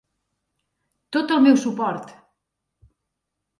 Tot el meu suport!